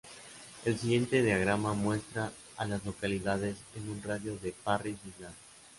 El siguiente diagrama muestra a las localidades en un radio de de Parris Island.